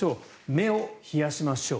目を冷やしましょう。